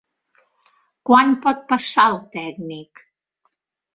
Quan pot passar el tècnic?